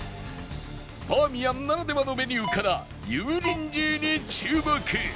バーミヤンならではのメニューから油淋鶏に注目！